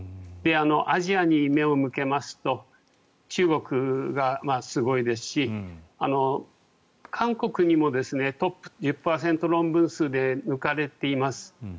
アジアに目を向けますと中国がすごいですし韓国にもトップ１０％論文数で抜かれています。